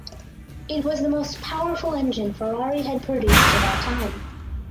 It was the most powerful engine Ferrari had produced to that time.